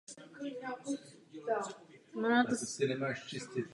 Ostrov je známý též svými archeologickými nálezy.